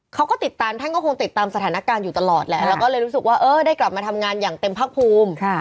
เขาก็ติดตามท่านก็คงติดตามสถานการณ์อยู่ตลอดแหละแล้วก็เลยรู้สึกว่าเออได้กลับมาทำงานอย่างเต็มภาคภูมิ